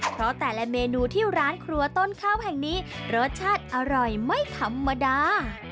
เพราะแต่ละเมนูที่ร้านครัวต้นข้าวแห่งนี้รสชาติอร่อยไม่ธรรมดา